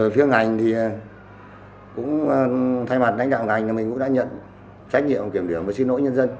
phía ngành thì cũng thay mặt đánh đạo ngành thì mình cũng đã nhận trách nhiệm kiểm biểu và xin lỗi nhân dân